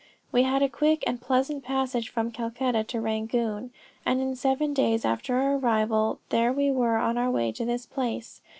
We had a quick and pleasant passage from Calcutta to Rangoon, and in seven days after our arrival there we were on our way to this place.